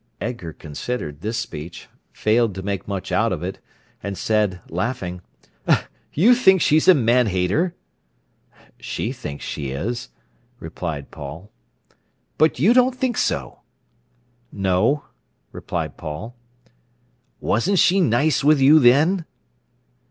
Edgar considered this speech, failed to make much out of it, and said, laughing: "You think she's a man hater?" "She thinks she is," replied Paul. "But you don't think so?" "No," replied Paul. "Wasn't she nice with you, then?"